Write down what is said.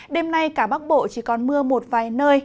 đêm nay cả bắc bộ chỉ còn mưa một vài nơi